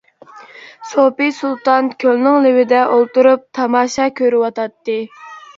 سوپى سۇلتان كۆلنىڭ لېۋىدە ئولتۇرۇپ تاماشا كۆرۈۋاتاتتى.